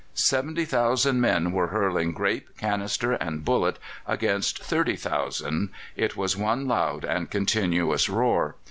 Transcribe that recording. Seventy thousand men were hurling grape, canister, and bullet against 30,000. It was one loud and continuous roar.